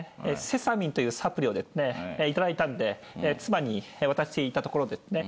セサミンというサプリをですね頂いたんで妻に渡したところですね